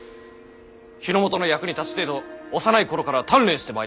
日の本の役に立ちてぇと幼い頃から鍛錬してまいりました。